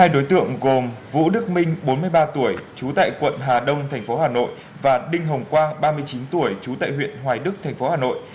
hai đối tượng gồm vũ đức minh bốn mươi ba tuổi trú tại quận hà đông tp hà nội và đinh hồng quang ba mươi chín tuổi trú tại huyện hoài đức tp hà nội